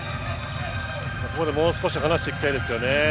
もう少し離していきたいですよね。